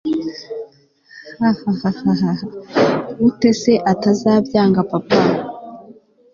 hahahaha gute se atazabyanga papa